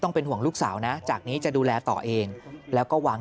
เป็นห่วงลูกสาวนะจากนี้จะดูแลต่อเองแล้วก็วาง